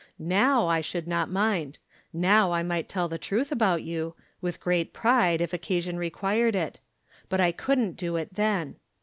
Now I should not mind. Now I might tell the truth about you, with great pride, if occasion required it. But I couldn't do it then.